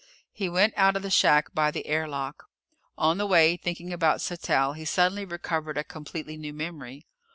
He went out of the shack by the air lock. On the way, thinking about Sattell, he suddenly recovered a completely new memory.